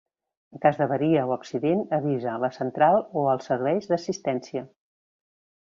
En cas d'avaria o accident, avisa la central o als serveis d'assistència.